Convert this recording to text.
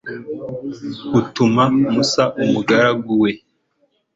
atuma musa, umugaragu we